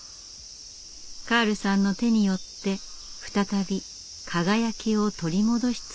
カールさんの手によって再び輝きを取り戻しつつありました。